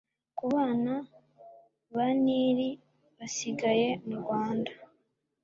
ku bana ba Nili basigaye mu rwanda